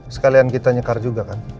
sekalian kita nyekar juga kan